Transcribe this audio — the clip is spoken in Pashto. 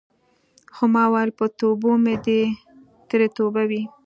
خو ما ویل په توبو مې دې ترې توبه وي.